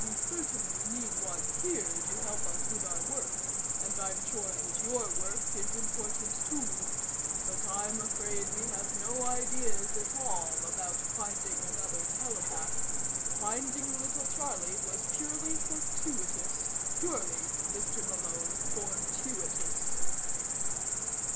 We certainly need one here to help us here with our work and I'm sure that your work is important, too. But I'm afraid we have no ideas at all about finding another telepath. Finding little Charlie was purely fortuitous purely, Mr. Malone, fortuitous."